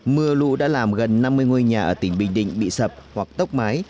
mưa lũ đã làm gần năm mươi ngôi nhà ở tỉnh bình định bị sập hoặc tốc mái